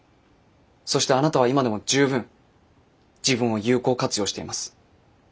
そしてあなたは今でも十分自分を有効活用しています。